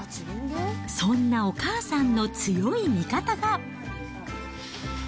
そんなお母さんの強い味方が。